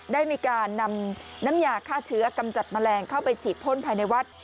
ได้มีการนำน้ำยาฆ่าเชื้อกำจัดแมลงเข้าไปฉีดพ่นภายในวัด